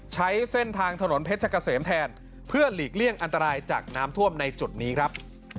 ใช้เส้นทางถนนเพชรเกษมแทนเพื่อหลีกเลี่ยงอันตรายจากน้ำท่วมในจุดนี้ครับ